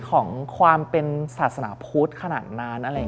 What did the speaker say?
ของความเป็นศาสนาพุทธขนาดนั้น